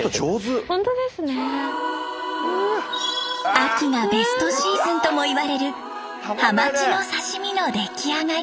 秋がベストシーズンともいわれるハマチの刺身の出来上がり。